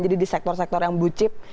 jadi di sektor sektor yang bucip